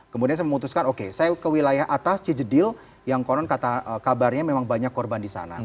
kemudian saya memutuskan oke saya ke wilayah atas cijedil yang konon kabarnya memang banyak korban di sana